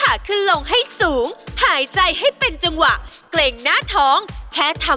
อันนี้ไม่ได้ท้องบนท้องล่างค่ะ